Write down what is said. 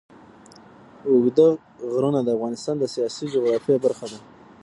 اوږده غرونه د افغانستان د سیاسي جغرافیه برخه ده.